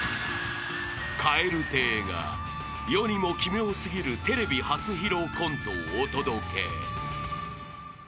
［蛙亭が世にも奇妙過ぎるテレビ初披露コントをお届け］